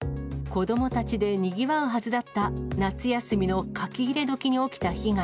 子どもたちでにぎわうはずだった夏休みの書き入れ時に起きた被害。